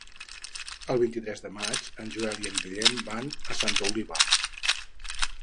El vint-i-tres de maig en Joel i en Guillem van a Santa Oliva.